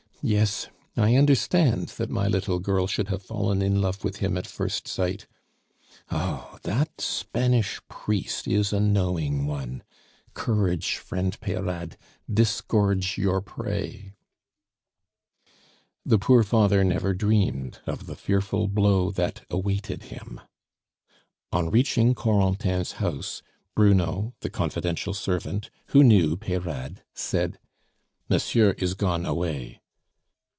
Yes, I understand that my little girl should have fallen in love with him at first sight. Oh! that Spanish priest is a knowing one. Courage, friend Peyrade! disgorge your prey!" The poor father never dreamed of the fearful blow that awaited him. On reaching Corentin's house, Bruno, the confidential servant, who knew Peyrade, said: "Monsieur is gone away."